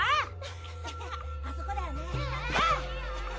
・・あそこだよね・